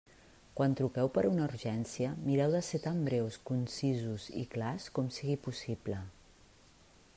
Quan truqueu per una urgència, mireu de ser tan breus, concisos i clars com sigui possible.